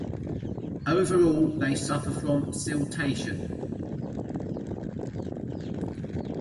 Overall they suffer from siltation.